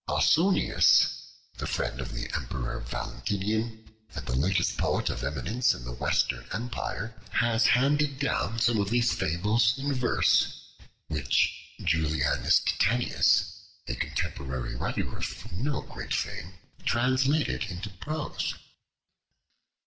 Ausonius, the friend of the Emperor Valentinian, and the latest poet of eminence in the Western Empire, has handed down some of these fables in verse, which Julianus Titianus, a contemporary writer of no great name, translated into prose.